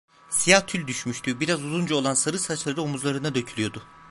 Siyah tül düşmüştü, biraz uzunca olan sarı saçları omuzlarına dökülüyordu.